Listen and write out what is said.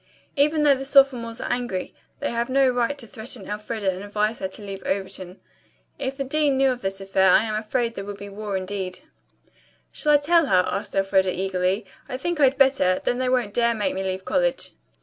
Even though the sophomores are angry, they have no right to threaten Elfreda and advise her to leave Overton. If the dean knew of this affair I am afraid there would be war indeed." "Shall I tell her?" asked Elfreda eagerly. "I think I'd better; then they won't dare to make me leave college."